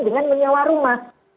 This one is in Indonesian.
dengan menyewa rumah